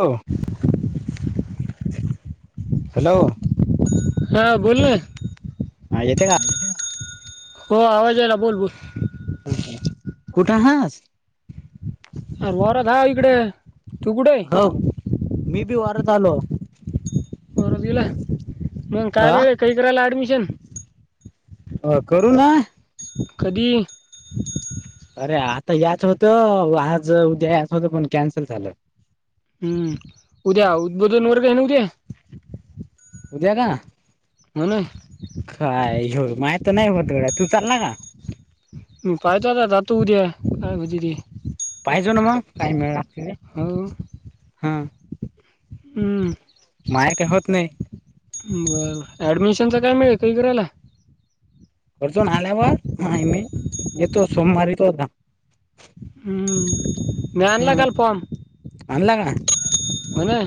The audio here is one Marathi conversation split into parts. हो. हॅलो! हा बोला. हा येते का हो, आवाज यायला बोल बोल. ह ह कुठं हास? अरं वावरात हाय इकडं. हो, मी बी वावरात आलो. [unintelligible] हाय, मग काय अ बी काही करायला एडमिशन. अ करू ना. कधी? अरे! आता याच होतं, आज उद्या याच होतं पण कॅन्सल झालं. हम्म, उद्या [unintelligible] वर्ग आहे ना ते. उद्या का? नाही. काय हो माहित नाही होत, गड्या तू चालला का? पाहिजेत जातो उद्या, काय होत ती. पाहिजो ना मग काय मिळणार त हो हा. हम्म. माहेर काही होत नाही. बर ऍडमिशनच काय मिळेल काही करायला. खर्जून आल्यावर नाही मी येतो सोमवारी तो आता. हम्म हम्म मनलागाल पम. आणला का? हो ना.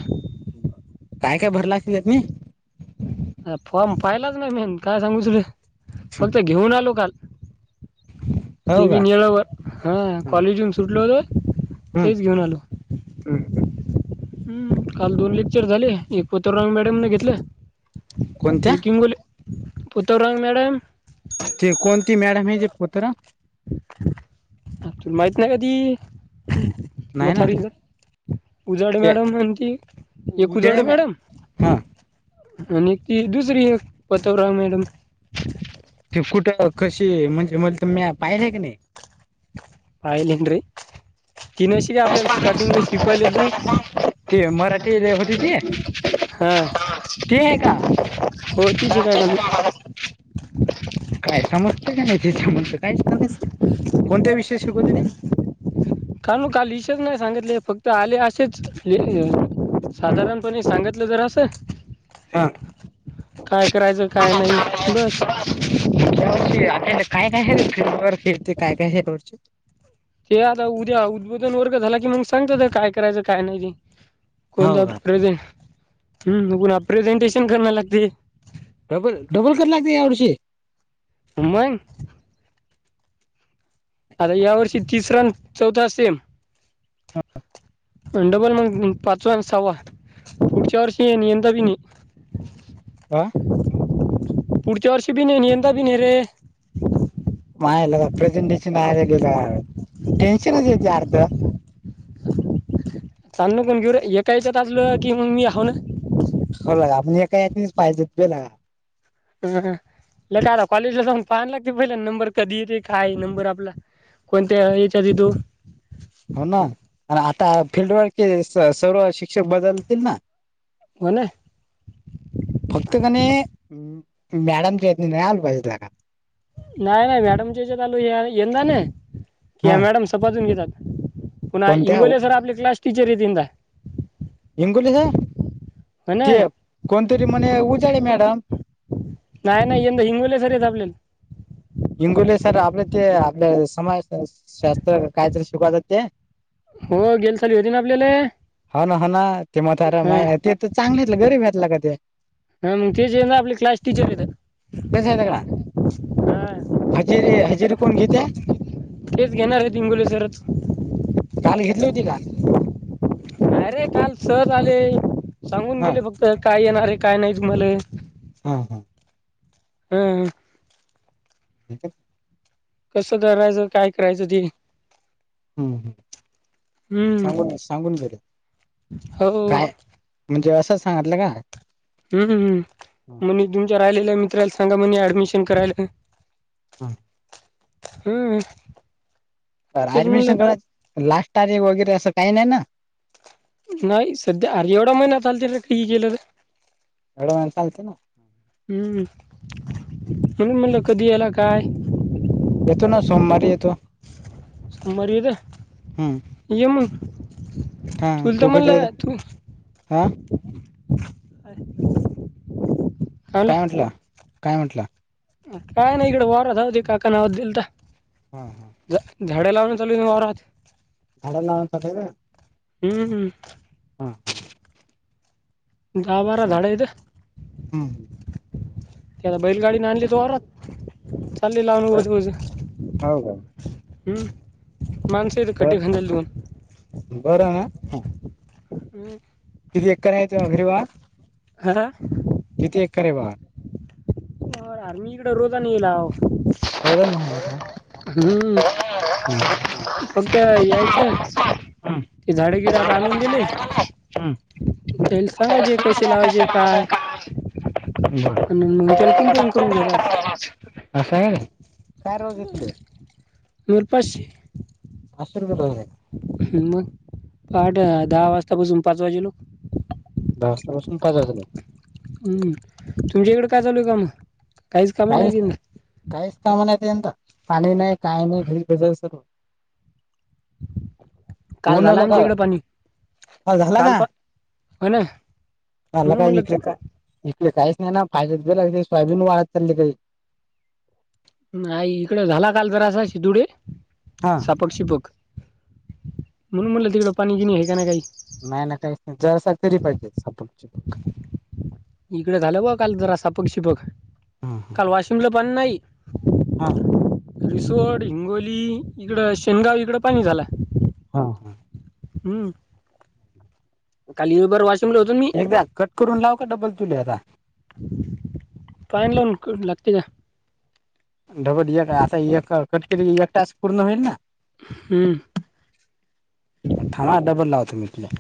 काय काय भर लागती त्यात मी? अ फॉर्म पाहिलाच नाही मी, अन काय सांगू तुझ फक्त घेऊन आलो काल. हो ते बी का मिळल बघ, हा कॉलेजून सुटलं होतं. ह ह ह. हम् काल दोन लेक्चर झाले एक पथररांग मॅडमने घेतले. कोणत्या य किंगोल पतव रांग मॅडम. ते कोणती मॅडम हे जे पुत्र. त माहिती नाही कधी नाही ना माथारी. उजाड ते मॅडम आणि त एक उद्या उजाड मॅडम. हा आणि ती दुसरी एक पथवराव मॅडम. ते कुठं कशी म्हणजे म्ह तर मी पाहिलंय की नाही. पाहिल हंड्री तीन अशी काय आपल्याला स्टार्टिंगला शिकवायला तर. ते मराठी होती ती. हा क आहे का. हो ती शिकाय का काय समजत का नाही ते समजत काय असत नाही कोणत्या विषया शिकव तिथे. का म का लिशच नाही सांगितले फक्त आले असेच हा साधारण. कोणी सांगितलं तर असं हा काय करायचं काय नाही बस. वर्षी काय काय फवर फेरते काय काय हर वची. ते आता उद्या उद्बोधन वर्ग झाला की मग सांगत तर काय करायचं काय नाही. हो कोणता का प्रेझें ह् कोणा प्रेझेंटेशन कराला लागते. डबल डबल करच लागते एवडषशी. त्मग. आता या वर्षी तिसरा आणि चौथा सेम. डबल मग पाचवा आणि सहावा. पुढच्या वर्ष ये नि यंता ब नाही. आ. पुढच्या वर्षी बी नाही नि यंदा बि नाही रे. मा का प्रेझेंटेशनला गेलं टेन्शनच येत अर्ध. चाल कोण घेऊ एकायशात असल की मग मी हाो ना. होला आपण एका यास पाहिजेत बेला. ह लट आला कॉलेजला जाऊन पाहाान लागते पहिल्या नंबर कधी येते काय नंबर आपला. कोणत्या याच्यात तू. हो ना आणि आता फिल््डवर सर्व शिक्षक बदलतील ना. क ना. फक्त का नाही मॅडमच्या य नाही नाही आल पाहिजे का. नाही नाही मॅडमच्या याच्यात आलू यंदा नाही कि हा मॅडम सपथून घेतात. पुन्हा कोणत्या इंगोले सर आपले क्लास टीचर आहे तदा. हिंगोलीचा ते कोणतरी म्हणे उजळे मॅडम. नाही नाही यंदा हिंगोले सरी झले. इंगोले सर आपल्या ते आपल्या समाज शास्त्र कायतरी शिकवातात ते. हो गेल साली होते ना आपल्याला होा ना ह ना ते म तर मा हां ते. चांगलेतलं गरीब घेतला कध. ह मग ते जे ना आपले क्लास टीचर येत हा. हजेरीे हजेरीे कोण घेते. तेच घेणार आहे हिंगोली सरच चाल घेतली होती का अरे काल सज आले सांगून हा गेले फक्त काय येणारे काय नाही तुम्हाला हम हं हम्. ठीक आहे. कसं करायचं काय करायचं ते. हम्म हम्म, सांगून सांगून घेले हो काय. म्हणजे असं सांगितलं का हम् म्ह तुमच्या राहिलेलं मित्राला सांगा म्हणे ऍडमिशन करायला हा हम्म तर ऍडमिशन कय लास्ट तारीख वगैरे असं काही नाही ना नाही सध्या अर एवढा महि ना चाल त केलं तर एड म सांगते ना हम्म म्हण म्हण ल कधला काय येतो ना सोमवारी येतो मर तर हम्म ये हा तुलत तू कधी म्हणला येत तू हा ह काय म्हटलं काय म्हटलं काय नाही इकडे वार होते काका नावदल हा हा तर झाडे लावून चालू वरात झाडा लाव हम्म हम्म हां गा बारा ाडतं ते आता बैलगाडी नाही आणली तोरच चालले लावन बर बजज हो का हम्म माणस येत कटडे खाजल तऊून बर ना हा हम् किती एण आहे त अगरी वा हा किती एकर आहे बा आर मी इकडे रोजनी येला रोदन महाराभा हम्म फक्त यायचंय झाडेगिडात आणून दिले तेल सांगायजे कसे लावायचे काय ब मग त्याला कुंपण करून घ्यायचाच. ह [unintelligible] अस स आहे ना. नरपा. असश रुपये पा आहे. मग पहाठ दहा वाजतापासून पाच वाजेलो दस्ता बसून पाहि हो नाही. हम्म तुमच्या इकड काय चालूय का मग. काहीच नाही काहीच कामा नाही ते पाणी नाही काही नाही भिज भजल सुरू. [inaudible] काल झाला आमच्या इकडें पाणी ह झालागा काल पा हो ना ह म्हणून लगा म्हणलं के तू का इक काहीच नाही ना फाद्याच बे लाग सोयाबीन वाढत चालली काही नाही इकड झाला काल जरा असा शि तुडे हा सापट शिपक म्हणून म्हटलं तिकडं पाणी गिणी घय का ना काही. नाही नका जरसा तरी पाहिजेपक चिपक. इकडे झालं बा काल जरा अस पक शिपक हा काल वाशिमला पण नाही. हा रिसोर्ट हिंगोली इकड शेनगाव इकड पाणी झालं. हा हा. हम्म. कालिबर वाशिमला होतो मी एकदा कट करून लाव का डबल चुले आता. पाईन लावून लागते का. डबल आता एक कटकिरी एक तास पूर्ण होईल ना. हम्म. मग ठा डबल लाव होतो मीथला.